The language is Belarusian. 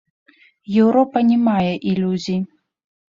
Еўропа не мае ілюзій.